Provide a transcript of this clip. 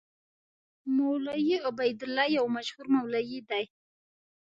مولوي عبیدالله یو مشهور مولوي دی.